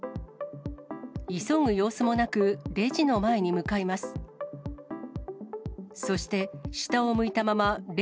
急ぐ様子もなく、レジの前に向かいます。